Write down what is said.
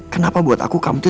kenapa buat aku kamu tuh